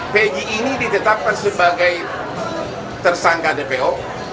pg ini ditetapkan sebagai tersangka dpo